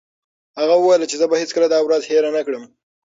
هغه وویل چې زه به هیڅکله دا ورځ هېره نه کړم.